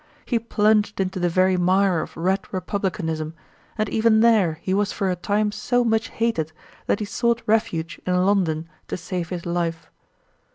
He plunged into the very mire of red republicanism, and even there he was for a time so much hated that he sought refuge in London to save his life.